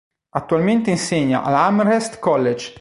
Attualmente insegna all'Amherst College.